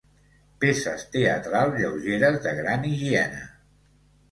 Peces teatrals lleugeres de gran higiene.